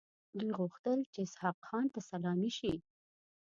دوی غوښتل چې اسحق خان ته سلامي شي.